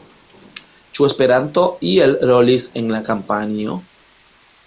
Ĉu Esperanto iel rolis en la kampanjo?